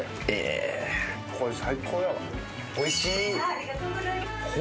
ありがとうございます。